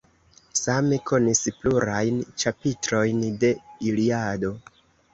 Same konis plurajn ĉapitrojn de Iliado.